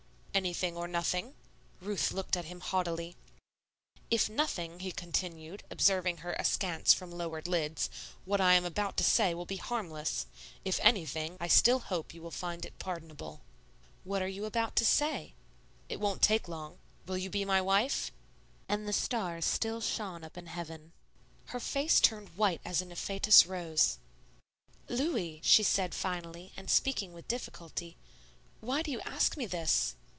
"Anything or nothing." Ruth looked at him haughtily. "If nothing," he continued, observing her askance from lowered lids, "what I am about to say will be harmless. If anything, I still hope you will find it pardonable." "What are you about to say?" "It won't take long. Will you be my wife?" And the stars still shone up in heaven! Her face turned white as a Niphetos rose. "Louis," she said finally and speaking with difficulty, "why do you ask me this?"